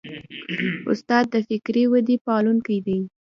استاد د فکري ودې پالونکی دی.